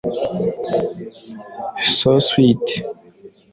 ‘ So sweet’